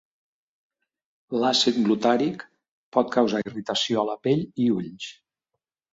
L'àcid glutàric pot causar irritació a la pell i ulls.